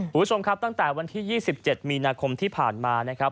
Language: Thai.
หูชมครับตั้งแต่วันที่ยี่สิบเจ็ดมีนาคมที่ผ่านมานะครับ